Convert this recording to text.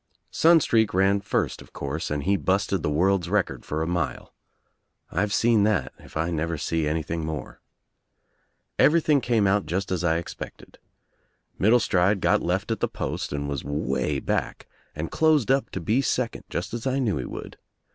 Sunstreak ran first of course and he busted the world's record for a mile. I've seen that if I never l6 THE TRIUMPH OF THE EGG see anything more. Everything came out just as I ex pected. Middlcstride got left at the post and was way back and closed up to be second, just as I knew he would.